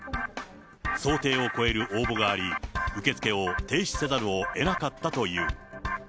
想定を超える応募があり、受け付けを停止せざるをえなかったという。